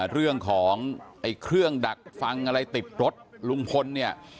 เรื่องของไอ้เครื่องดักฟังอะไรติดรถลุงพลเนี่ย